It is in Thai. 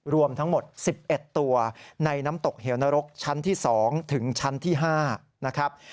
รวมทั้งหมด๑๑ตัวในน้ำตกเหวนรกชั้นที่๒ถึงชั้นที่๕นะครับ